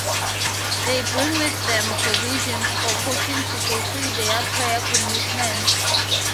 They bring with them provisions for cooking to fulfill their prayer commitments.